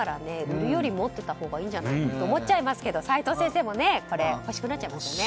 売るより持っていたほうがいいんじゃないかと思っちゃいますけど齋藤先生も欲しくなっちゃいますね。